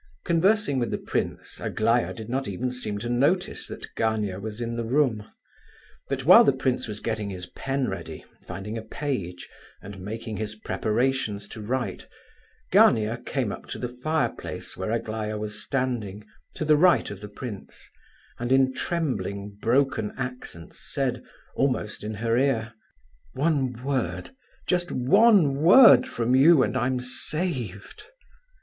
Conversing with the prince, Aglaya did not even seem to notice that Gania was in the room. But while the prince was getting his pen ready, finding a page, and making his preparations to write, Gania came up to the fireplace where Aglaya was standing, to the right of the prince, and in trembling, broken accents said, almost in her ear: "One word, just one word from you, and I'm saved."